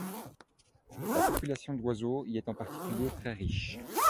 La population d'oiseaux y est en particulier très riche.